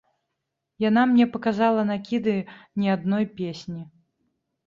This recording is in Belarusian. Яна мне паказала накіды не адной песні.